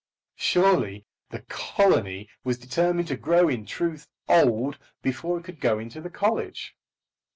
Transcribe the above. Surely the colony was determined to grow in truth old before it could go into the college.